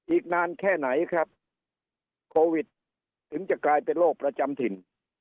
อีกนานแค่ไหนครับโควิดถึงจะกลายเป็นโรคประจำถิ่น